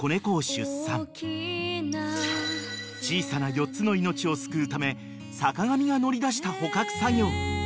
［小さな４つの命を救うため坂上が乗り出した捕獲作業］